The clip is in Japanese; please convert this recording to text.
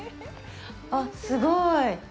あっ、すごーい。